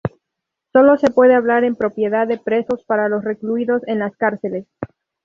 Sólo se puede hablar en propiedad de presos para los recluidos en las cárceles.